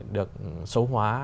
được số hóa